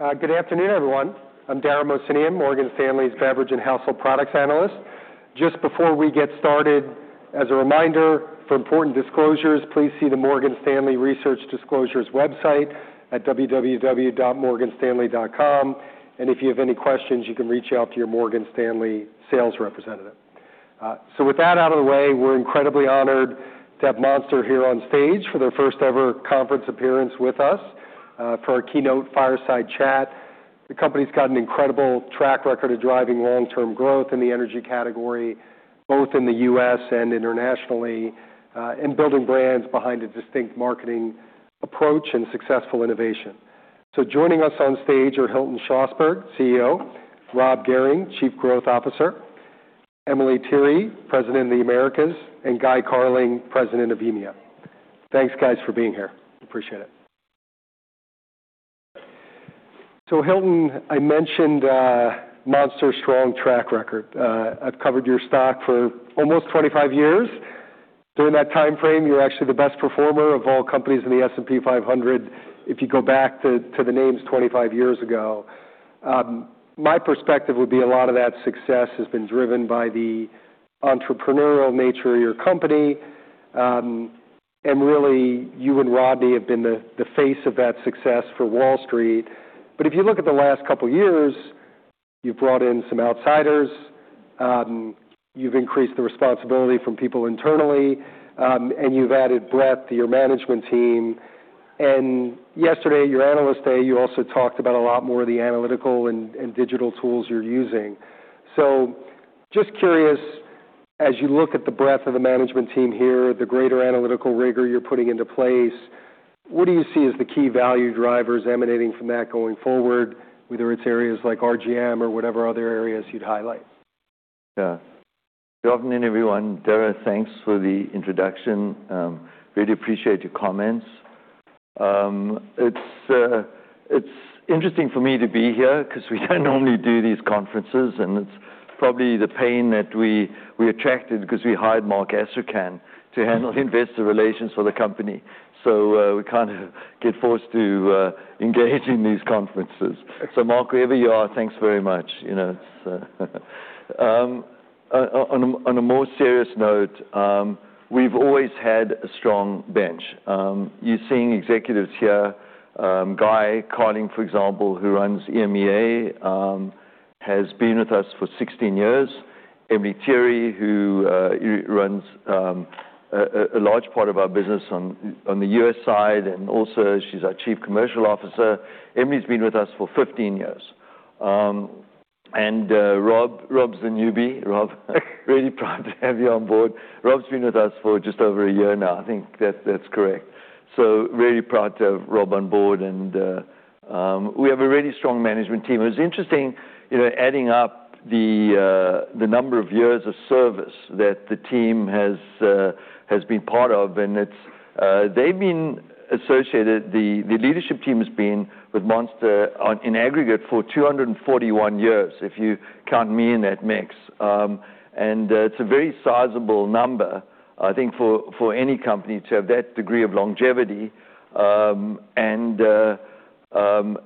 Yep. Like yesterday. Good afternoon, everyone. I'm Dara Mohsenian, Morgan Stanley's Beverage and Household Products Analyst. Just before we get started, as a reminder for important disclosures, please see the Morgan Stanley Research Disclosures website at www.morganstanley.com. And if you have any questions, you can reach out to your Morgan Stanley sales representative. So with that out of the way, we're incredibly honored to have Monster here on stage for their first-ever conference appearance with us, for our keynote fireside chat. The company's got an incredible track record of driving long-term growth in the energy category, both in the U.S. and internationally, and building brands behind a distinct marketing approach and successful innovation. So joining us on stage are Hilton Schlosberg, CEO; Rob Gehring, Chief Growth Officer; Emelie Tirre, President of the Americas; and Guy Carling, President of EMEA. Thanks, guys, for being here. Appreciate it. So, Hilton, I mentioned Monster's strong track record. I've covered your stock for almost 25 years. During that time frame, you're actually the best performer of all companies in the S&P 500 if you go back to the names 25 years ago. My perspective would be a lot of that success has been driven by the entrepreneurial nature of your company. And really, you and Rob have been the face of that success for Wall Street. But if you look at the last couple of years, you've brought in some outsiders. You've increased the responsibility from people internally. And you've added breadth to your management team. And yesterday, your analyst day, you also talked about a lot more of the analytical and digital tools you're using. So just curious, as you look at the breadth of the management team here, the greater analytical rigor you're putting into place, what do you see as the key value drivers emanating from that going forward, whether it's areas like RGM or whatever other areas you'd highlight? Yeah. Good afternoon, everyone. Dara, thanks for the introduction. Really appreciate your comments. It's interesting for me to be here 'cause we don't normally do these conferences, and it's probably the pain that we attracted 'cause we hired Marc Astrachan to handle investor relations for the company. So, we kind of get forced to engage in these conferences. So, Marc, wherever you are, thanks very much. You know, it's on a more serious note, we've always had a strong bench. You're seeing executives here. Guy Carling, for example, who runs EMEA, has been with us for 16 years. Emelie Tirre, who runs a large part of our business on the U.S. side, and also she's our Chief Commercial Officer. Emelie's been with us for 15 years. Rob, Rob's the newbie. Rob, really proud to have you on board. Rob's been with us for just over a year now. I think that, that's correct. So really proud to have Rob on board, and we have a really strong management team. It was interesting, you know, adding up the number of years of service that the team has been part of, and it's, they've been associated. The leadership team has been with Monster in aggregate for 241 years if you count me in that mix, and it's a very sizable number, I think, for any company to have that degree of longevity, and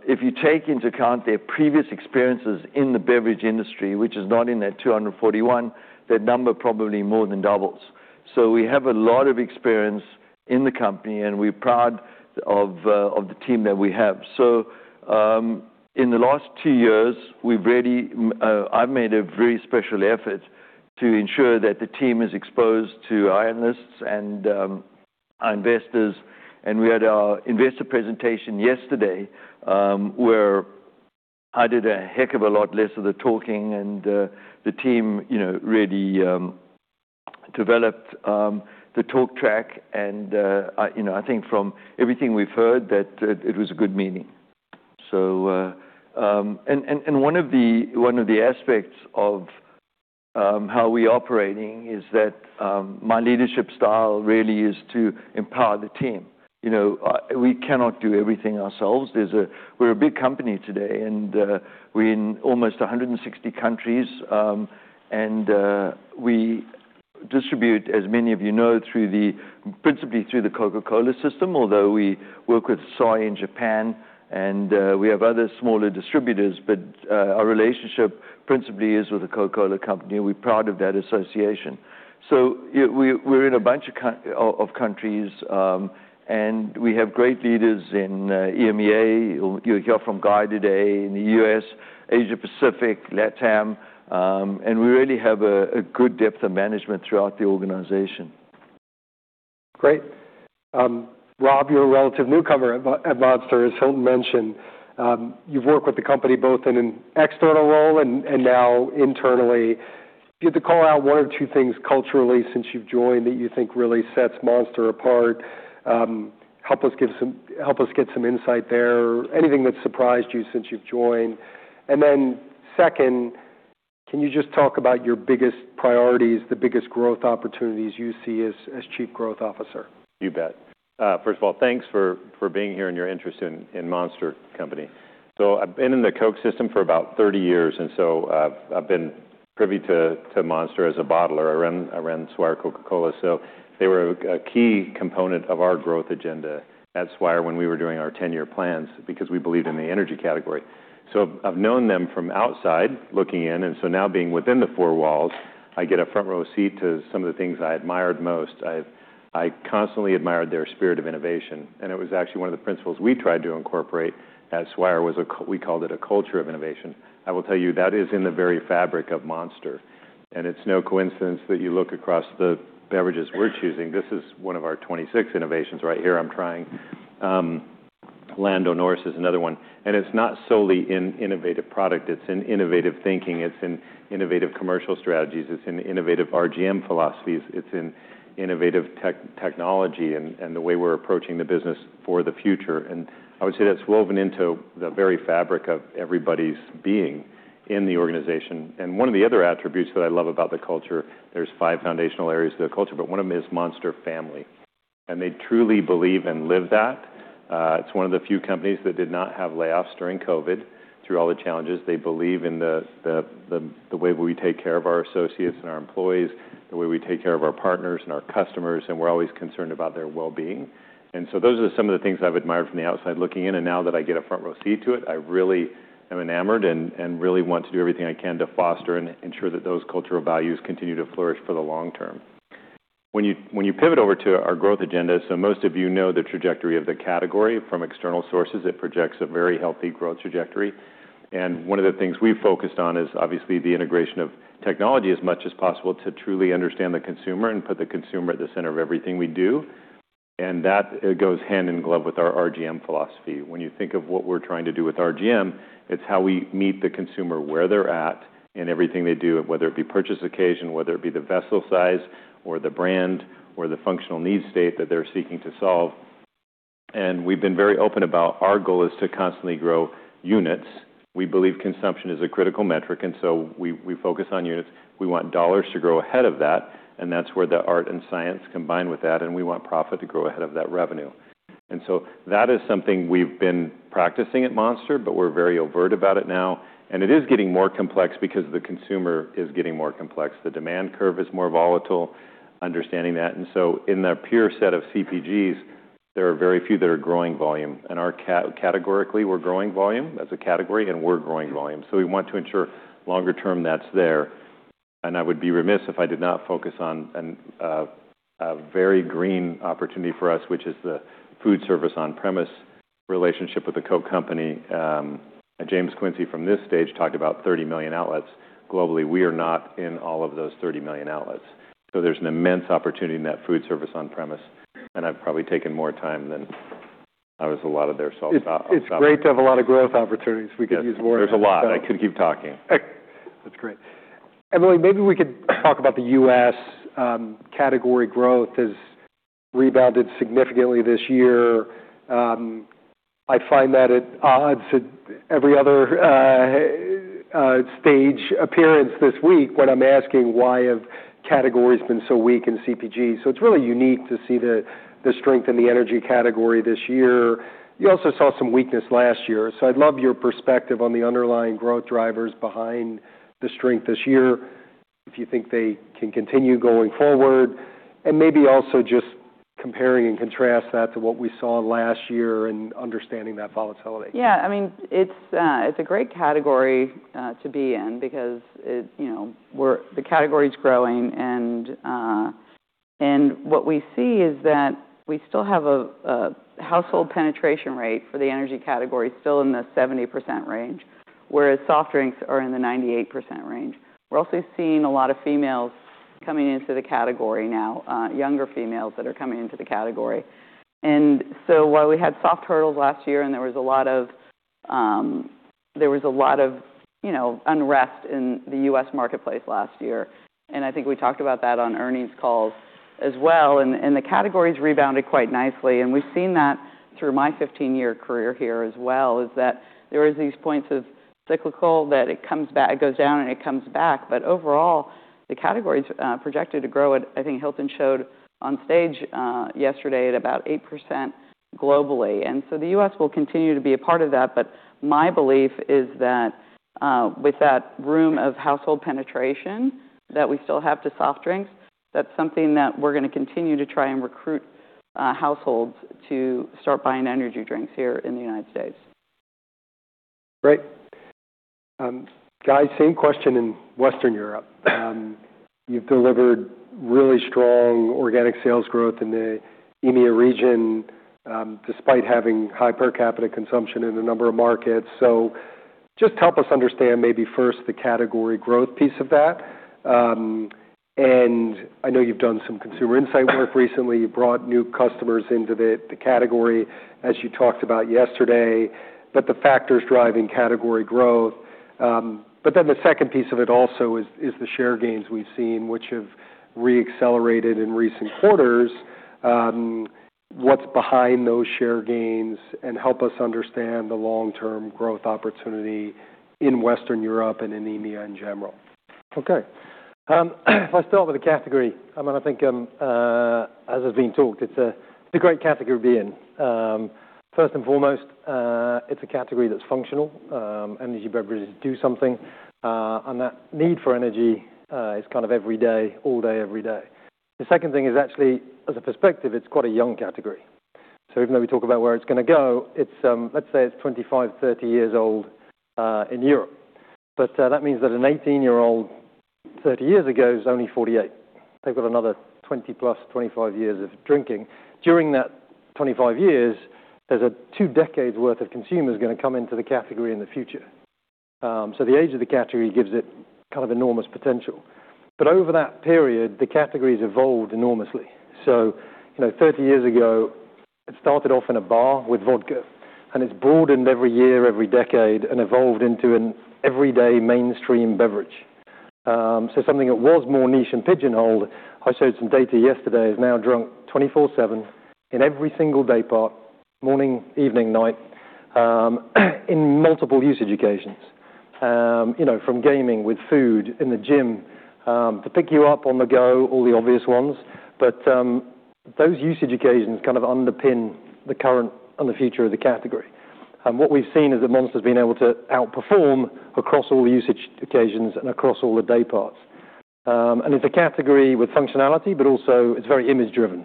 if you take into account their previous experiences in the beverage industry, which is not in that 241, that number probably more than doubles. So we have a lot of experience in the company, and we're proud of the team that we have. In the last two years, we've really, I've made a very special effort to ensure that the team is exposed to our analysts and our investors. We had our investor presentation yesterday, where I did a heck of a lot less of the talking, and the team, you know, really developed the talk track. I, you know, I think from everything we've heard that it was a good meeting. One of the aspects of how we're operating is that my leadership style really is to empower the team. You know, we cannot do everything ourselves. We're a big company today, and we're in almost 160 countries, and we distribute, as many of you know, principally through the Coca-Cola system, although we work with Swire in Japan. We have other smaller distributors, but our relationship principally is with the Coca-Cola company, and we're proud of that association. So, you know, we're in a bunch of countries, and we have great leaders in EMEA. You'll hear from Guy today in the U.S., Asia Pacific, LATAM, and we really have a good depth of management throughout the organization. Great. Rob, you're a relative newcomer at Monster, as Hilton mentioned. You've worked with the company both in an external role and, and now internally. If you had to call out one or two things culturally since you've joined that you think really sets Monster apart, help us give some, help us get some insight there, anything that surprised you since you've joined. And then second, can you just talk about your biggest priorities, the biggest growth opportunities you see as, as Chief Growth Officer? You bet. First of all, thanks for being here and your interest in Monster Company. So I've been in the Coke system for about 30 years, and so I've been privy to Monster as a bottler. I run Swire Coca-Cola. So they were a key component of our growth agenda at Swire when we were doing our 10-year plans because we believed in the energy category. So I've known them from outside looking in, and so now being within the four walls, I get a front-row seat to some of the things I admired most. I've constantly admired their spirit of innovation. And it was actually one of the principles we tried to incorporate at Swire was a, we called it a culture of innovation. I will tell you that is in the very fabric of Monster. And it's no coincidence that you look across the beverages we're choosing. This is one of our 26 innovations right here I'm trying. Lando Norris is another one. And it's not solely in innovative product. It's in innovative thinking. It's in innovative commercial strategies. It's in innovative RGM philosophies. It's in innovative tech, technology, and the way we're approaching the business for the future. And I would say that's woven into the very fabric of everybody's being in the organization. And one of the other attributes that I love about the culture, there's five foundational areas to the culture, but one of them is Monster family. And they truly believe and live that. It's one of the few companies that did not have layoffs during COVID through all the challenges. They believe in the way we take care of our associates and our employees, the way we take care of our partners and our customers, and we're always concerned about their well-being. And so those are some of the things I've admired from the outside looking in. And now that I get a front-row seat to it, I really am enamored and really want to do everything I can to foster and ensure that those cultural values continue to flourish for the long term. When you pivot over to our growth agenda, so most of you know the trajectory of the category from external sources. It projects a very healthy growth trajectory. One of the things we've focused on is obviously the integration of technology as much as possible to truly understand the consumer and put the consumer at the center of everything we do. And that it goes hand in glove with our RGM philosophy. When you think of what we're trying to do with RGM, it's how we meet the consumer where they're at and everything they do, whether it be purchase occasion, whether it be the vessel size or the brand or the functional need state that they're seeking to solve. And we've been very open about our goal is to constantly grow units. We believe consumption is a critical metric, and so we focus on units. We want dollars to grow ahead of that, and that's where the art and science combine with that, and we want profit to grow ahead of that revenue. And so that is something we've been practicing at Monster, but we're very overt about it now. And it is getting more complex because the consumer is getting more complex. The demand curve is more volatile, understanding that. And so in the pure set of CPGs, there are very few that are growing volume. And our categorically, we're growing volume. That's a category, and we're growing volume. So we want to ensure longer term that's there. And I would be remiss if I did not focus on a very green opportunity for us, which is the food service on-premise relationship with the Coke company. James Quincey from this stage talked about 30 million outlets globally. We are not in all of those 30 million outlets. So there's an immense opportunity in that food service on-premise, and I've probably taken more time than I was allotted there, so I'll stop. It's great to have a lot of growth opportunities. We could use more of that. Yeah. There's a lot. I could keep talking. That's great. Emelie, maybe we could talk about the U.S., category growth has rebounded significantly this year. I find that at odds with every other stage appearance this week when I'm asking why have categories been so weak in CPG. So it's really unique to see the strength in the energy category this year. You also saw some weakness last year. So I'd love your perspective on the underlying growth drivers behind the strength this year, if you think they can continue going forward, and maybe also just comparing and contrast that to what we saw last year and understanding that volatility. Yeah. I mean, it's a great category to be in because, you know, the category's growing. And what we see is that we still have a household penetration rate for the energy category in the 70% range, whereas soft drinks are in the 98% range. We're also seeing a lot of females coming into the category now, younger females that are coming into the category. And so while we had soft quarters last year and there was a lot of, you know, unrest in the U.S. marketplace last year, and I think we talked about that on earnings calls as well. And the category's rebounded quite nicely. And we've seen that through my 15-year career here as well, is that there are these points of cyclical that it comes back, it goes down, and it comes back. But overall, the category's projected to grow. I think Hilton showed on stage yesterday at about 8% globally. And so the U.S. will continue to be a part of that. But my belief is that, with that room of household penetration that we still have to soft drinks, that's something that we're gonna continue to try and recruit households to start buying energy drinks here in the United States. Great. Guy, same question in Western Europe. You've delivered really strong organic sales growth in the EMEA region, despite having high per capita consumption in a number of markets. So just help us understand maybe first the category growth piece of that, and I know you've done some consumer insight work recently. You brought new customers into the category, as you talked about yesterday, but the factors driving category growth. But then the second piece of it also is the share gains we've seen, which have re-accelerated in recent quarters. What's behind those share gains and help us understand the long-term growth opportunity in Western Europe and in EMEA in general. Okay. If I start with the category, I mean, I think, as has been talked, it's a great category to be in. First and foremost, it's a category that's functional. Energy beverages do something. And that need for energy is kind of every day, all day, every day. The second thing is actually, as a perspective, it's quite a young category. So even though we talk about where it's gonna go, it's, let's say it's 25, 30 years old, in Europe. But that means that an 18-year-old 30 years ago is only 48. They've got another 20+, 25 years of drinking. During that 25 years, there's a two decades' worth of consumers gonna come into the category in the future. So the age of the category gives it kind of enormous potential. But over that period, the category evolved enormously. So, you know, 30 years ago, it started off in a bar with vodka, and it's broadened every year, every decade, and evolved into an everyday mainstream beverage. So something that was more niche and pigeonholed, I showed some data yesterday, is now drunk 24/7 in every single day part, morning, evening, night, in multiple usage occasions, you know, from gaming with food in the gym, to pick you up on the go, all the obvious ones. But those usage occasions kind of underpin the current and the future of the category. And what we've seen is that Monster's been able to outperform across all the usage occasions and across all the day parts. And it's a category with functionality, but also it's very image-driven.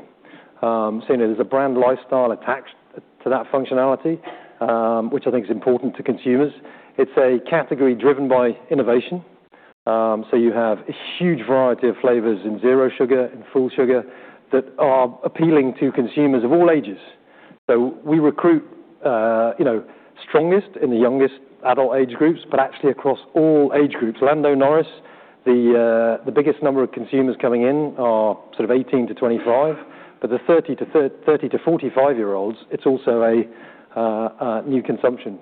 So you know, there's a brand lifestyle attached to that functionality, which I think is important to consumers. It's a category driven by innovation. So you have a huge variety of flavors in zero sugar and full sugar that are appealing to consumers of all ages. So we recruit, you know, strongest in the youngest adult age groups, but actually across all age groups. Lando Norris, the biggest number of consumers coming in are sort of 18 to 25, but the 30 to 45-year-olds, it's also a new consumption,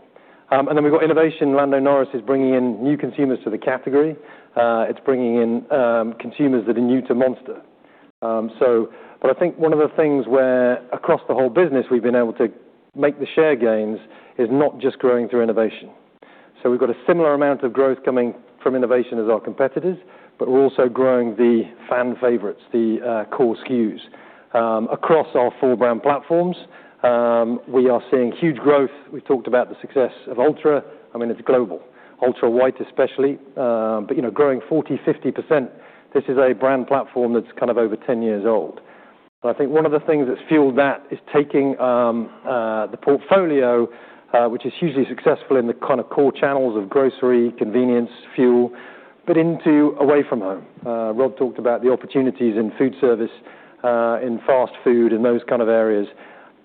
and then we've got innovation. Lando Norris is bringing in new consumers to the category. It's bringing in consumers that are new to Monster. But I think one of the things where across the whole business we've been able to make the share gains is not just growing through innovation. We've got a similar amount of growth coming from innovation as our competitors, but we're also growing the fan favorites, the cool SKUs. Across our four-brand platforms, we are seeing huge growth. We've talked about the success of Ultra. I mean, it's global. Ultra White, especially. But, you know, growing 40%, 50%. This is a brand platform that's kind of over 10 years old. And I think one of the things that's fueled that is taking the portfolio, which is hugely successful in the kind of core channels of grocery, convenience, fuel, but into away from home. Rob talked about the opportunities in food service, in fast food and those kind of areas.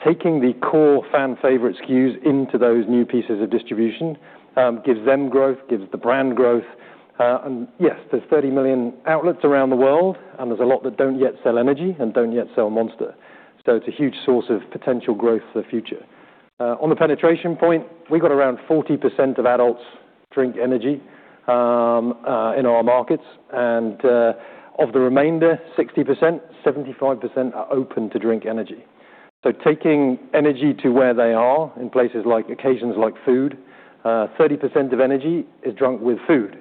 Taking the core fan favorite SKUs into those new pieces of distribution gives them growth, gives the brand growth. And yes, there's 30 million outlets around the world, and there's a lot that don't yet sell energy and don't yet sell Monster. So it's a huge source of potential growth for the future. On the penetration point, we've got around 40% of adults drink energy in our markets. And of the remainder, 60%, 75% are open to drink energy. So, taking energy to where they are in places like occasions like food, 30% of energy is drunk with food.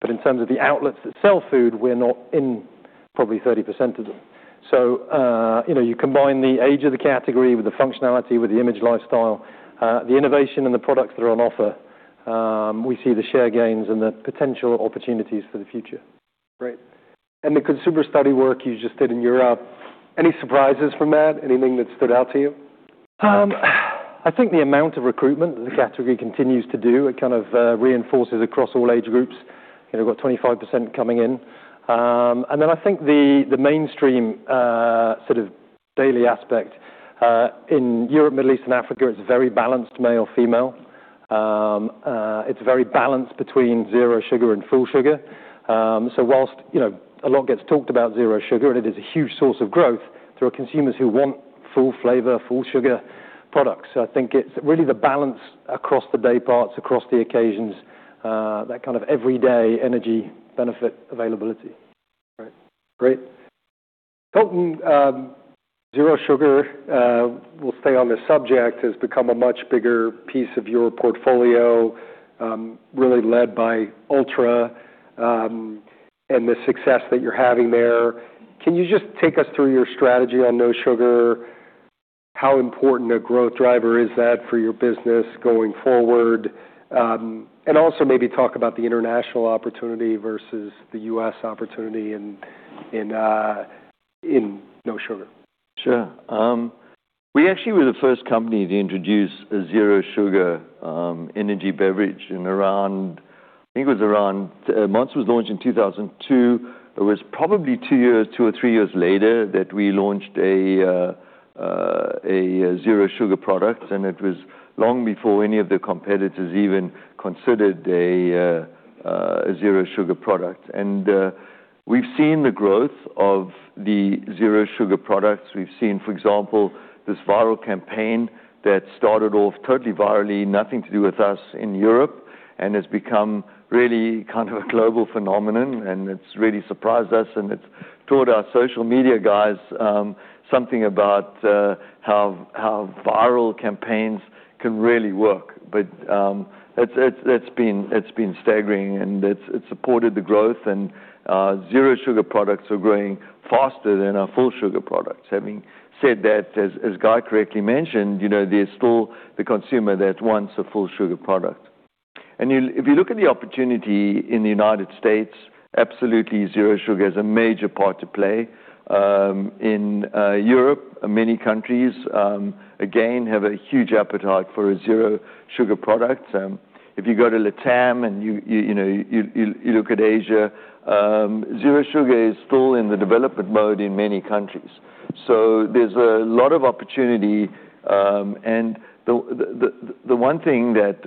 But in terms of the outlets that sell food, we're not in probably 30% of them. So, you know, you combine the age of the category with the functionality, with the image lifestyle, the innovation, and the products that are on offer, we see the share gains and the potential opportunities for the future. Great. And the consumer study work you just did in Europe, any surprises from that? Anything that stood out to you? I think the amount of recruitment that the category continues to do, it kind of reinforces across all age groups. You know, we've got 25% coming in, and then I think the mainstream, sort of daily aspect, in Europe, Middle East, and Africa, it's very balanced male-female. It's very balanced between zero sugar and full sugar, so while, you know, a lot gets talked about zero sugar, and it is a huge source of growth, there are consumers who want full flavor, full sugar products. So I think it's really the balance across the day parts, across the occasions, that kind of everyday energy benefit availability. Great. Great. Hilton, zero sugar, we'll stay on this subject, has become a much bigger piece of your portfolio, really led by Ultra, and the success that you're having there. Can you just take us through your strategy on no sugar? How important a growth driver is that for your business going forward, and also maybe talk about the international opportunity versus the U.S. opportunity in no sugar? Sure. We actually were the first company to introduce a zero sugar energy beverage around, I think it was around. Monster was launched in 2002. It was probably two years, two or three years later that we launched a zero sugar product, and it was long before any of the competitors even considered a zero sugar product. And we've seen the growth of the zero sugar products. We've seen, for example, this viral campaign that started off totally virally, nothing to do with us in Europe, and has become really kind of a global phenomenon. And it's really surprised us, and it's taught our social media guys something about how viral campaigns can really work. But it's been staggering, and it's supported the growth, and zero sugar products are growing faster than our full sugar products. Having said that, as Guy correctly mentioned, you know, there's still the consumer that wants a full sugar product, and if you look at the opportunity in the United States, absolutely zero sugar is a major part to play. In Europe, many countries, again, have a huge appetite for a zero sugar product. If you go to LATAM and you know, you look at Asia, zero sugar is still in the development mode in many countries, so there's a lot of opportunity, and the one thing that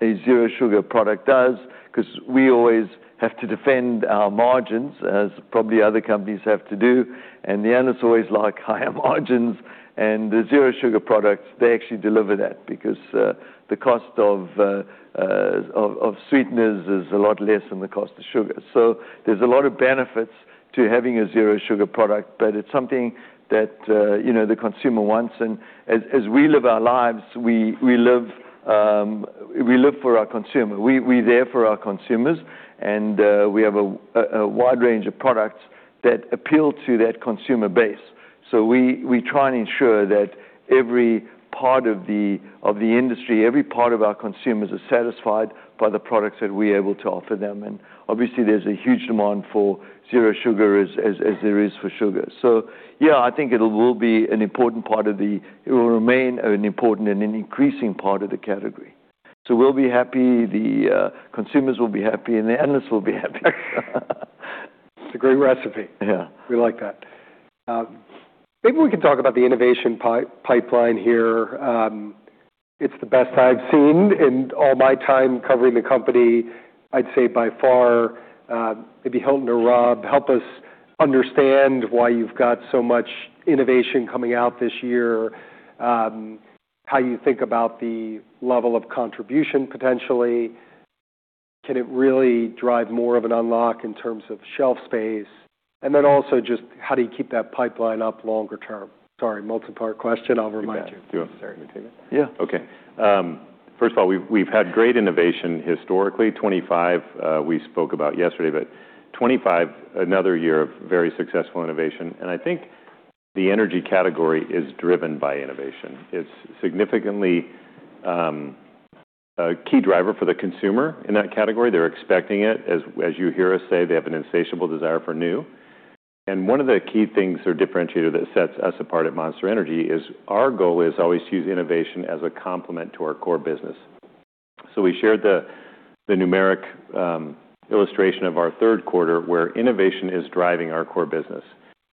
a zero sugar product does, 'cause we always have to defend our margins as probably other companies have to do, and the analysts always like higher margins, and the zero sugar products, they actually deliver that because the cost of sweeteners is a lot less than the cost of sugar. So there's a lot of benefits to having a zero sugar product, but it's something that, you know, the consumer wants. And as we live our lives, we live for our consumer. We're there for our consumers, and we have a wide range of products that appeal to that consumer base. So we try and ensure that every part of the industry, every part of our consumers are satisfied by the products that we are able to offer them. And obviously, there's a huge demand for zero sugar as there is for sugar. So yeah, I think it'll be an important part. It will remain an important and an increasing part of the category. So we'll be happy. Consumers will be happy, and the analysts will be happy. It's a great recipe. Yeah. We like that. Maybe we can talk about the innovation pipeline here. It's the best I've seen in all my time covering the company. I'd say by far. Maybe Hilton or Rob, help us understand why you've got so much innovation coming out this year, how you think about the level of contribution potentially. Can it really drive more of an unlock in terms of shelf space? And then also just how do you keep that pipeline up longer term? Sorry, multi-part question. I'll remind you. Yeah. Do you want to start? Yeah. Okay. First of all, we've had great innovation historically. 25, we spoke about yesterday, but 25, another year of very successful innovation. And I think the energy category is driven by innovation. It's significantly a key driver for the consumer in that category. They're expecting it, as you hear us say, they have an insatiable desire for new. And one of the key things or differentiator that sets us apart at Monster Energy is our goal is always to use innovation as a complement to our core business. So we shared the numeric illustration of our third quarter where innovation is driving our core business.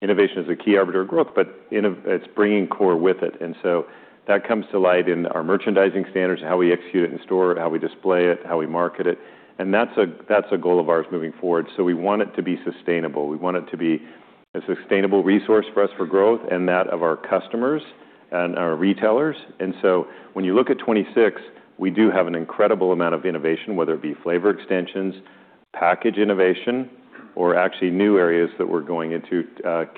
Innovation is a key arbiter of growth, but it's bringing core with it. And so that comes to light in our merchandising standards, how we execute it in store, how we display it, how we market it. That's a goal of ours moving forward. We want it to be sustainable. We want it to be a sustainable resource for us for growth and that of our customers and our retailers. When you look at 2026, we do have an incredible amount of innovation, whether it be flavor extensions, package innovation, or actually new areas that we're going into,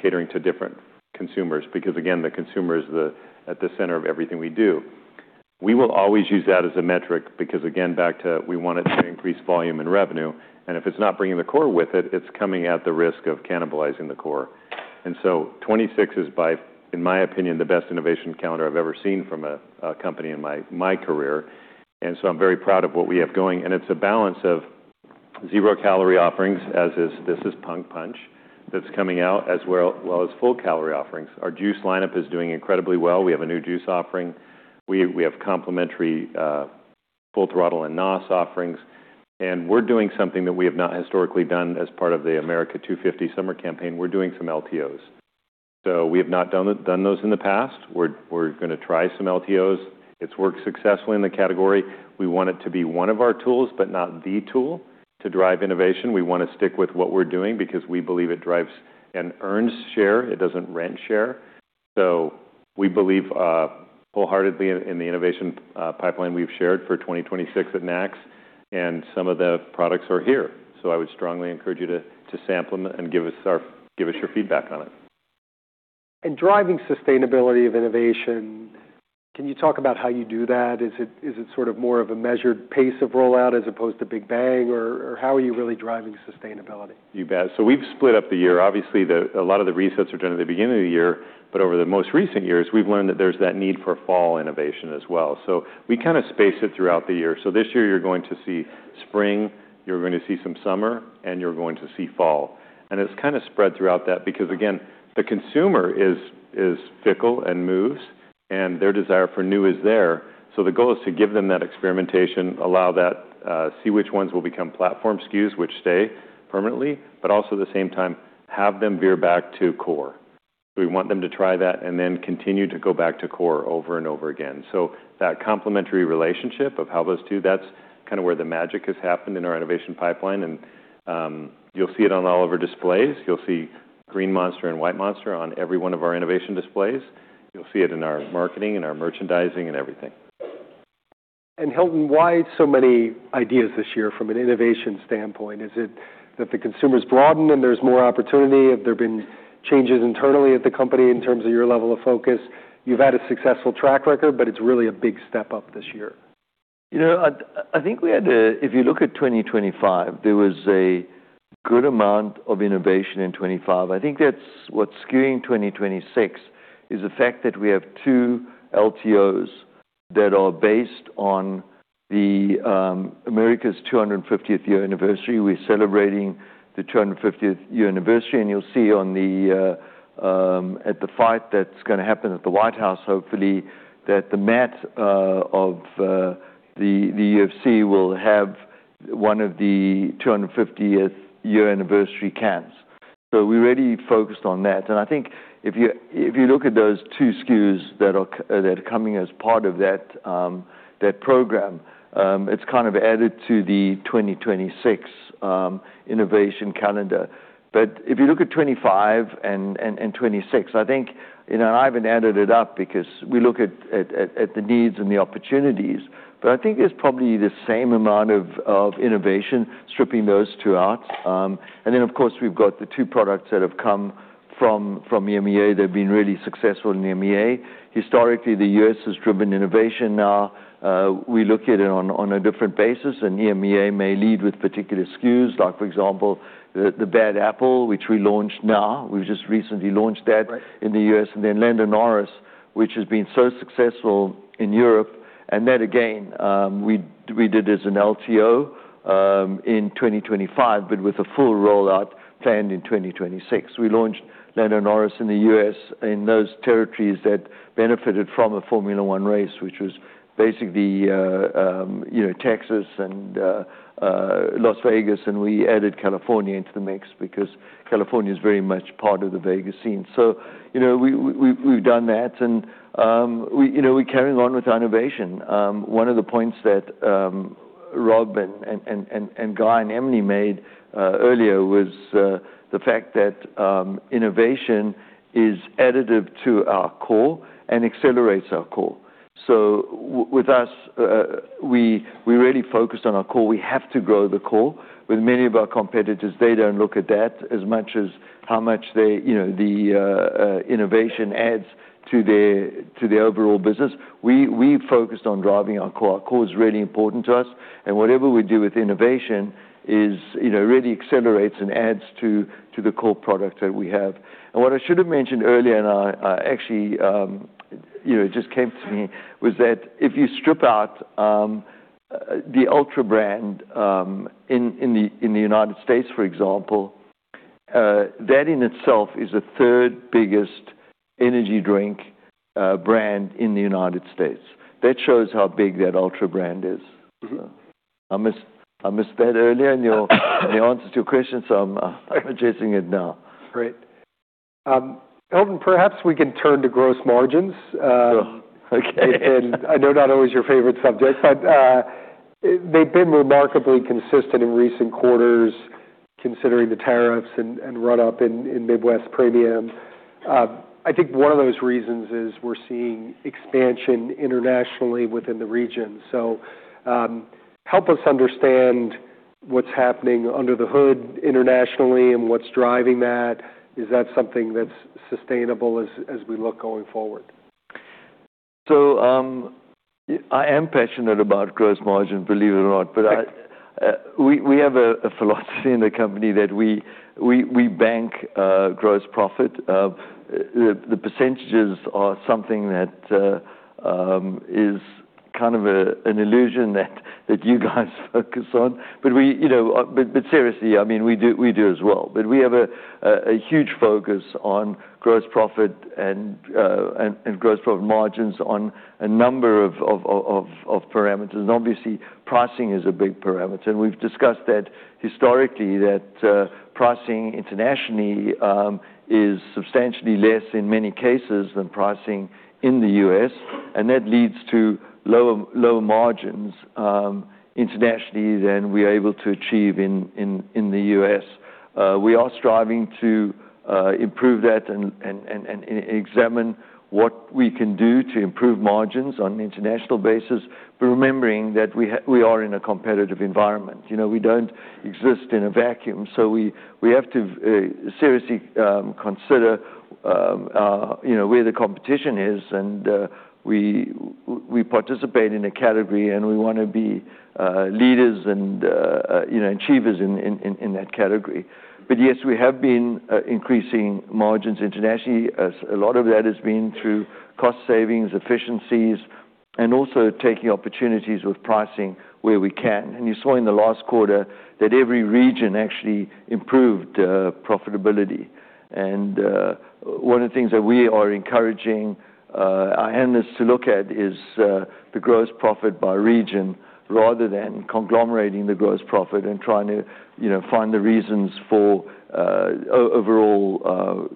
catering to different consumers. Because again, the consumer is at the center of everything we do. We will always use that as a metric because again, back to we want it to increase volume and revenue. If it's not bringing the core with it, it's coming at the risk of cannibalizing the core. 2026 is, in my opinion, the best innovation calendar I've ever seen from a company in my career. And so I'm very proud of what we have going. And it's a balance of zero calorie offerings, as this is Punk Punch that's coming out, as well as full calorie offerings. Our juice lineup is doing incredibly well. We have a new juice offering. We have complementary Full Throttle and NOS offerings. And we're doing something that we have not historically done as part of the America 250 summer campaign. We're doing some LTOs. So we have not done those in the past. We're gonna try some LTOs. It's worked successfully in the category. We want it to be one of our tools, but not the tool to drive innovation. We wanna stick with what we're doing because we believe it drives and earns share. It doesn't rent share. So we believe wholeheartedly in the innovation pipeline we've shared for 2026 at NACS. Some of the products are here. I would strongly encourage you to sample them and give us your feedback on it. Driving sustainability of innovation, can you talk about how you do that? Is it sort of more of a measured pace of rollout as opposed to big bang? Or how are you really driving sustainability? You bet. So we've split up the year. Obviously, a lot of the resets are done at the beginning of the year, but over the most recent years, we've learned that there's that need for fall innovation as well. So we kind of space it throughout the year. So this year, you're going to see spring, you're going to see some summer, and you're going to see fall. And it's kind of spread throughout that because again, the consumer is fickle and moves, and their desire for new is there. So the goal is to give them that experimentation, allow that, see which ones will become platform SKUs, which stay permanently, but also at the same time, have them veer back to core. We want them to try that and then continue to go back to core over and over again. So that complementary relationship of how those two, that's kind of where the magic has happened in our innovation pipeline, and you'll see it on all of our displays. You'll see Green Monster and White Monster on every one of our innovation displays. You'll see it in our marketing, in our merchandising, and everything. Hilton, why so many ideas this year from an innovation standpoint? Is it that the consumer's broadened and there's more opportunity? Have there been changes internally at the company in terms of your level of focus? You've had a successful track record, but it's really a big step up this year. You know, I think we had a, if you look at 2025, there was a good amount of innovation in 2025. I think that's what's skewing 2026 is the fact that we have two LTOs that are based on America's 250th year anniversary. We're celebrating the 250th year anniversary. And you'll see at the fight that's gonna happen at the White House, hopefully, that the mat of the UFC will have one of the 250th year anniversary cans. So we really focused on that. And I think if you look at those two SKUs that are coming as part of that program, it's kind of added to the 2026 innovation calendar. But if you look at 2025 and 2026, I think, you know, and I haven't added it up because we look at the needs and the opportunities, but I think there's probably the same amount of innovation stripping those two out. And then of course, we've got the two products that have come from EMEA. They've been really successful in EMEA. Historically, the US has driven innovation. Now, we look at it on a different basis. And EMEA may lead with particular SKUs, like for example, the Bad Apple, which we launched now. We've just recently launched that in the US. And then Lando Norris, which has been so successful in Europe. And that again, we did as an LTO in 2025, but with a full rollout planned in 2026. We launched Lando Norris in the U.S. in those territories that benefited from a Formula One race, which was basically, you know, Texas and Las Vegas. And we added California into the mix because California is very much part of the Vegas scene. So, you know, we've done that. And we're carrying on with our innovation. One of the points that Rob and Guy and Emelie made earlier was the fact that innovation is additive to our core and accelerates our core. So with us, we really focused on our core. We have to grow the core. With many of our competitors, they don't look at that as much as how much they, you know, the innovation adds to their overall business. We focused on driving our core. Our core is really important to us. Whatever we do with innovation is, you know, really accelerates and adds to the core product that we have. What I should have mentioned earlier, and I actually, you know, it just came to me, was that if you strip out the ultra brand in the United States, for example, that in itself is the third biggest energy drink brand in the United States. That shows how big that ultra brand is.I missed that earlier in your answers to your questions, so I'm addressing it now. Great. Hilton, perhaps we can turn to gross margins. Sure. Okay. And I know not always your favorite subject, but they've been remarkably consistent in recent quarters considering the tariffs and run-up in Midwest premium. I think one of those reasons is we're seeing expansion internationally within the region. So, help us understand what's happening under the hood internationally and what's driving that. Is that something that's sustainable as we look going forward? I am passionate about gross margin, believe it or not, but we have a philosophy in the company that we bank gross profit. The percentages are something that is kind of an illusion that you guys focus on. We, you know, but seriously, I mean, we do as well. We have a huge focus on gross profit and gross profit margins on a number of parameters. Obviously, pricing is a big parameter. We've discussed that historically, pricing internationally is substantially less in many cases than pricing in the U.S. That leads to lower margins internationally than we are able to achieve in the U.S. We are striving to improve that and examine what we can do to improve margins on an international basis, but remembering that we are in a competitive environment. You know, we don't exist in a vacuum. So we have to seriously consider, you know, where the competition is. And we participate in a category and we wanna be leaders and, you know, achievers in that category. But yes, we have been increasing margins internationally. A lot of that has been through cost savings, efficiencies, and also taking opportunities with pricing where we can. And you saw in the last quarter that every region actually improved profitability. One of the things that we are encouraging our analysts to look at is the gross profit by region rather than conglomerating the gross profit and trying to, you know, find the reasons for overall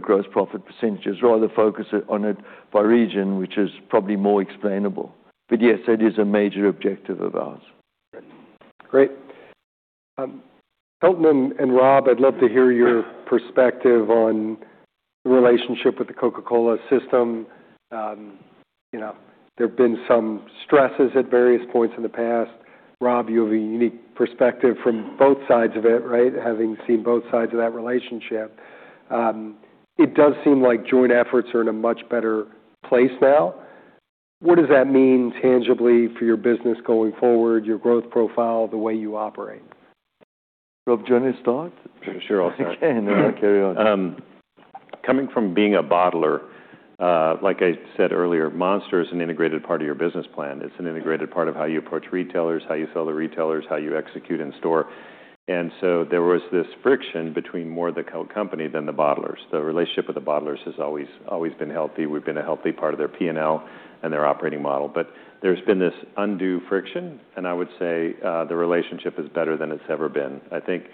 gross profit percentages. Rather, focus on it by region, which is probably more explainable. Yes, that is a major objective of ours. Great. Hilton and, and Rob, I'd love to hear your perspective on the relationship with the Coca-Cola system. You know, there've been some stresses at various points in the past. Rob, you have a unique perspective from both sides of it, right? Having seen both sides of that relationship. It does seem like joint efforts are in a much better place now. What does that mean tangibly for your business going forward, your growth profile, the way you operate? Rob, do you wanna start? Sure, I'll start. Okay. No, I'll carry on. Coming from being a bottler, like I said earlier, Monster is an integrated part of your business plan. It's an integrated part of how you approach retailers, how you sell to retailers, how you execute in store. And so there was this friction between more of the Coca-Cola Company than the bottlers. The relationship with the bottlers has always, always been healthy. We've been a healthy part of their P&L and their operating model. But there's been this undue friction. And I would say, the relationship is better than it's ever been. I think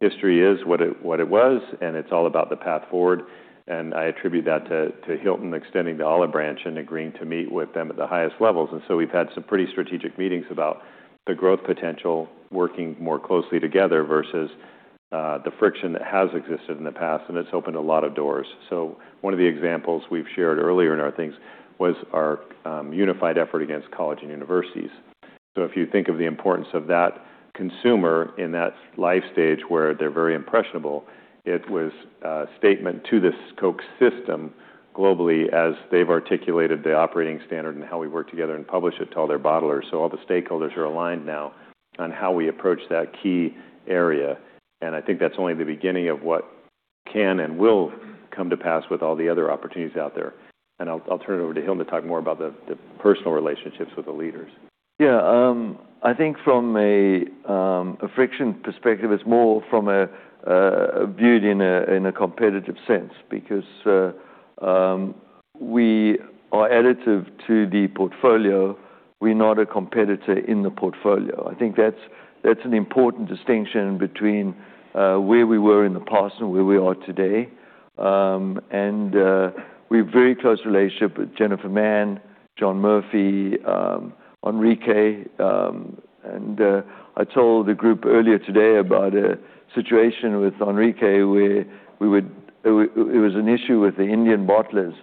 history is what it, what it was. And it's all about the path forward. And I attribute that to, to Hilton extending to olive branch and agreeing to meet with them at the highest levels. And so we've had some pretty strategic meetings about the growth potential, working more closely together versus the friction that has existed in the past. And it's opened a lot of doors. So one of the examples we've shared earlier in our things was our unified effort against college and universities. So if you think of the importance of that consumer in that life stage where they're very impressionable, it was a statement to this Coke system globally as they've articulated the operating standard and how we work together and publish it to all their bottlers. So all the stakeholders are aligned now on how we approach that key area. And I think that's only the beginning of what can and will come to pass with all the other opportunities out there. I'll turn it over to Hilton to talk more about the personal relationships with the leaders. Yeah. I think from a friction perspective, it's more viewed in a competitive sense because we are additive to the portfolio. We're not a competitor in the portfolio. I think that's an important distinction between where we were in the past and where we are today. We have a very close relationship with Jennifer Mann, John Murphy, Enrique. I told the group earlier today about a situation with Enrique where it was an issue with the Indian bottlers.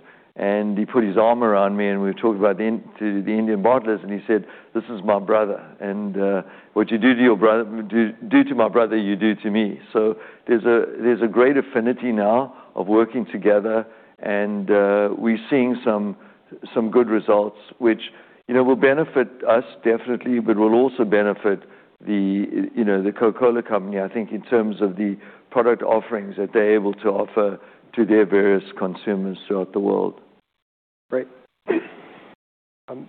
He put his arm around me and we talked about the Indian bottlers. He said, "This is my brother." And, "What you do to your brother, do to my brother, you do to me." So there's a great affinity now of working together. We're seeing some good results, which, you know, will benefit us definitely, but will also benefit the, you know, the Coca-Cola Company, I think, in terms of the product offerings that they're able to offer to their various consumers throughout the world. Great. You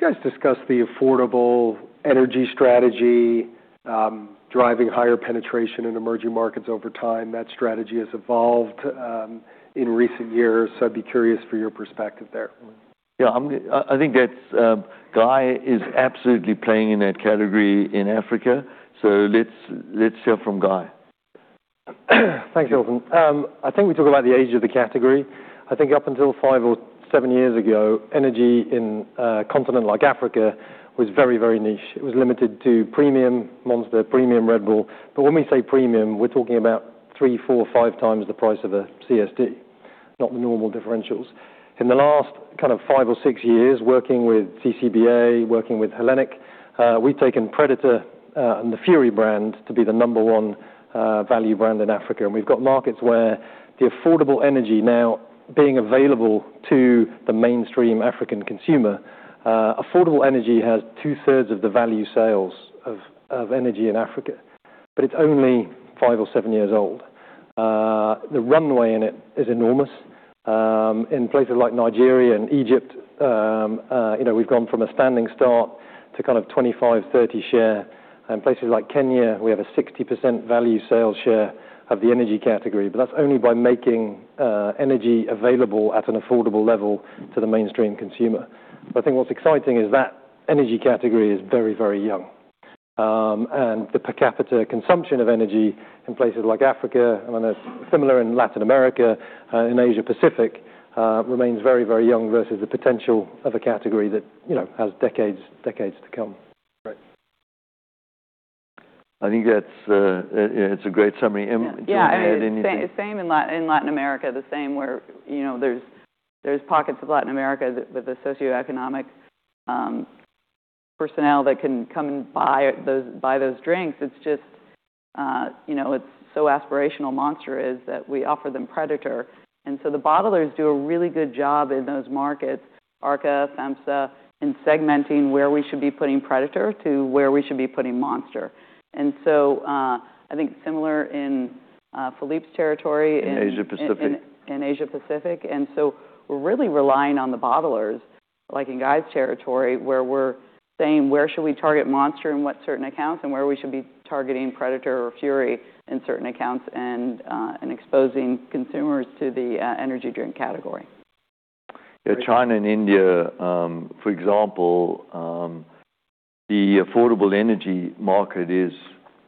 guys discussed the affordable energy strategy, driving higher penetration in emerging markets over time. That strategy has evolved in recent years. So I'd be curious for your perspective there. Yeah. I think that's, Guy is absolutely playing in that category in Africa. So let's hear from Guy. Thanks, Hilton. I think we talk about the age of the category. I think up until five or seven years ago, energy in a continent like Africa was very, very niche. It was limited to Premium Monster, Premium Red Bull. But when we say premium, we're talking about three, four, five times the price of a CSD, not the normal differentials. In the last kind of five or six years, working with CCBA, working with Coca-Cola HBC, we've taken Predator, and the Fury brand to be the number one value brand in Africa. And we've got markets where the affordable energy now being available to the mainstream African consumer, affordable energy has two-thirds of the value sales of energy in Africa, but it's only five or seven years old. The runway in it is enormous. In places like Nigeria and Egypt, you know, we've gone from a standing start to kind of 25%-30% share. In places like Kenya, we have a 60% value sales share of the energy category. But that's only by making energy available at an affordable level to the mainstream consumer. But I think what's exciting is that the energy category is very, very young, and the per capita consumption of energy in places like Africa, and then similar in Latin America, in Asia Pacific, remains very, very young versus the potential of a category that, you know, has decades, decades to come. Right. I think that's, it's a great summary. Yeah. I mean, same, same in Latin America, the same where, you know, there's pockets of Latin America that with the socioeconomic personnel that can come and buy those drinks. It's just, you know, it's so aspirational. Monster is that we offer them Predator. And so the bottlers do a really good job in those markets, Arca, FEMSA, in segmenting where we should be putting Predator to where we should be putting Monster. And so, I think similar in Philippe's territory. In Asia Pacific. In Asia Pacific. And so we're really relying on the bottlers, like in Guy's territory, where we're saying, "Where should we target Monster in what certain accounts and where we should be targeting Predator or Fury in certain accounts?" and exposing consumers to the energy drink category. Yeah. China and India, for example, the affordable energy market is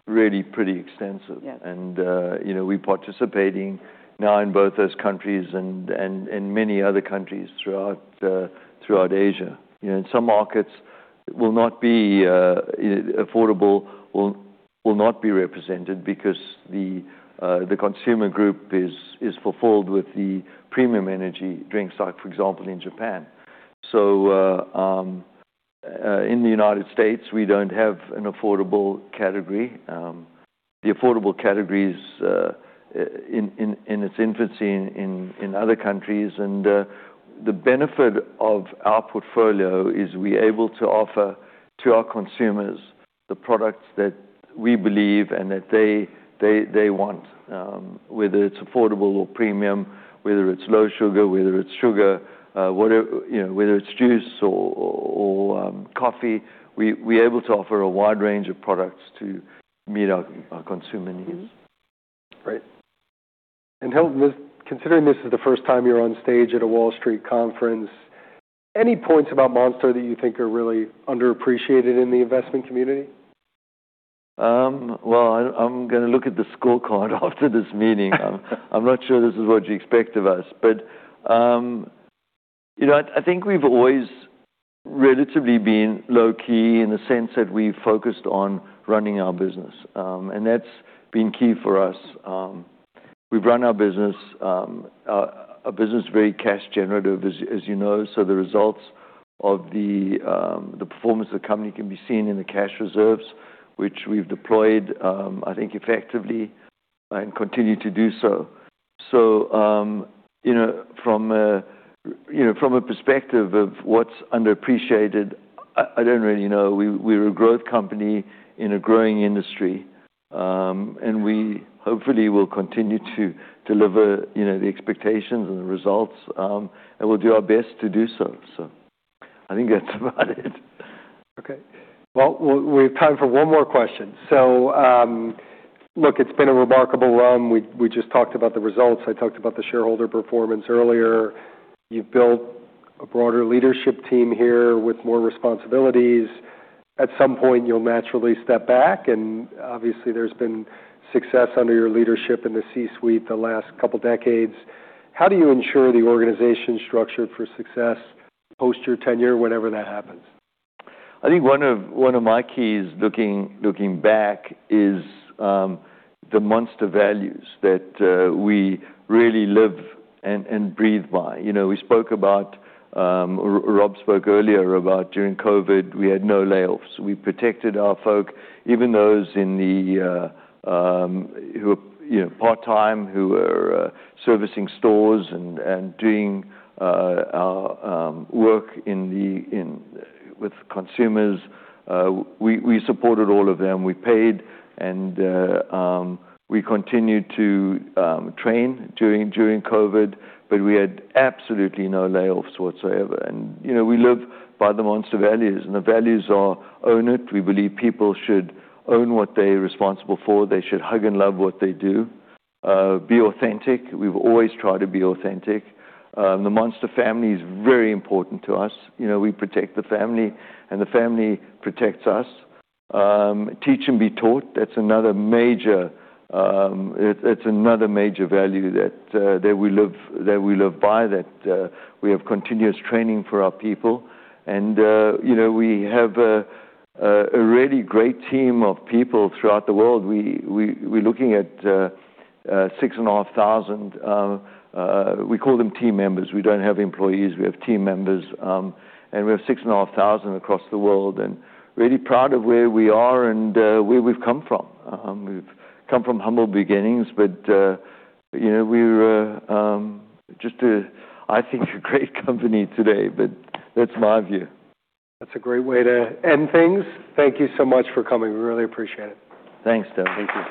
really pretty extensive. Yes. And, you know, we're participating now in both those countries and many other countries throughout Asia. You know, in some markets, it will not be. Affordable will not be represented because the consumer group is fulfilled with the premium energy drinks, like for example, in Japan. So, in the United States, we don't have an affordable category. The affordable category is in its infancy in other countries. And, the benefit of our portfolio is we're able to offer to our consumers the products that we believe and that they want, whether it's affordable or premium, whether it's low sugar, whether it's sugar, whatever, you know, whether it's juice or coffee. We're able to offer a wide range of products to meet our consumer needs. Great. And Hilton, considering this is the first time you're on stage at a Wall Street conference, any points about Monster that you think are really underappreciated in the investment community? I'm gonna look at the scorecard after this meeting. I'm not sure this is what you expect of us. You know, I think we've always relatively been low key in the sense that we've focused on running our business. That's been key for us. We've run our business, a business very cash generative, as you know. The results of the performance of the company can be seen in the cash reserves, which we've deployed. I think effectively and continue to do so. You know, from a perspective of what's underappreciated, I don't really know. We're a growth company in a growing industry. We hopefully will continue to deliver the expectations and the result. We'll do our best to do so. I think that's about it. Okay. We have time for one more question. So, look, it's been a remarkable. We just talked about the results. I talked about the shareholder performance earlier. You've built a broader leadership team here with more responsibilities. At some point, you'll naturally step back, and obviously, there's been success under your leadership in the C-suite the last couple decades. How do you ensure the organization's structure for success post your tenure, whenever that happens? I think one of my keys looking back is the Monster values that we really live and breathe by. You know, we spoke about. Rob spoke earlier about during COVID, we had no layoffs. We protected our folks, even those who are, you know, part-time, servicing stores and doing our work with consumers. We supported all of them. We paid and we continued to train during COVID. But we had absolutely no layoffs whatsoever. And, you know, we live by the Monster values. And the values are own it. We believe people should own what they're responsible for. They should hug and love what they do, be authentic. We've always tried to be authentic. The Monster family is very important to us. You know, we protect the family and the family protects us. Teach and be taught. That's another major value that we live by, that we have continuous training for our people. And you know, we have a really great team of people throughout the world. We're looking at 6,500. We call them team members. We don't have employees. We have team members. And we have 6,500 across the world. And really proud of where we are and where we've come from. We've come from humble beginnings. But you know, we were just a, I think, a great company today. But that's my view. That's a great way to end things. Thank you so much for coming. We really appreciate it. Thanks, Dara. Thank you.